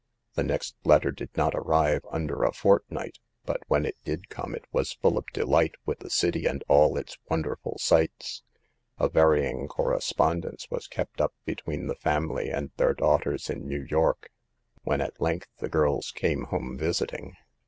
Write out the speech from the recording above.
The next letter did not arrive under a fortnight; but when it did come, it was full of delight with the city and all its wonder ful sights. A varying correspondence was kept up between the family and their daughters in New York, when at length the girls came home visiting.